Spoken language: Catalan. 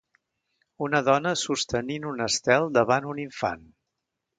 Una dona sostenint un estel davant un infant.